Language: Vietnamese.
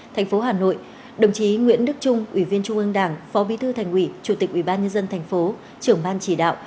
thành phố hà nội đồng chí nguyễn đức trung ủy viên trung ương đảng phó bí thư thành ủy chủ tịch ủy ban nhân dân thành phố trưởng ban chỉ đạo